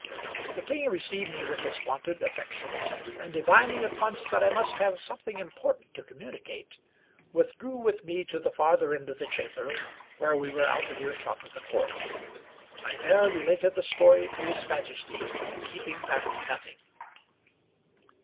The king received me with his wonted affection; and divining at once that I must have something important to communicate, withdrew with me to the farther end of the chamber, where we were out of earshot of the court. I there related the story to his majesty, keeping back nothing.